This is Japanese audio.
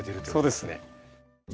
そうです。